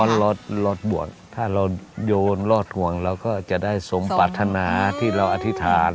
รถรถบวชถ้าเราโยนรอดห่วงเราก็จะได้สมปรารถนาที่เราอธิษฐาน